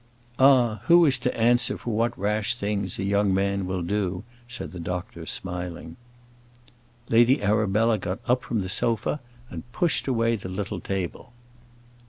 "Ah! who is to answer for what rash things a young man will do?" said the doctor, smiling. Lady Arabella got up from the sofa, and pushed away the little table.